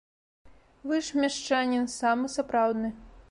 Вы ж мешчанін, самы сапраўдны!